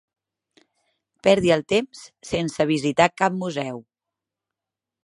Perdi el temps sense visitar cap museu.